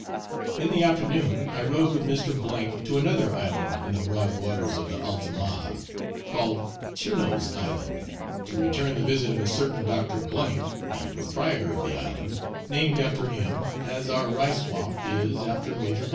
In the afternoon I rowed with Mr. to another island in the broad waters of the Altamaha, called Tunno's Island, to return the visit of a certain Dr. T , the proprietor of the island, named after him, as our rice swamp is after Major